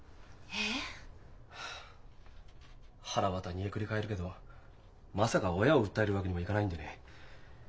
ええっ？はあはらわた煮えくり返るけどまさか親を訴えるわけにもいかないんでね。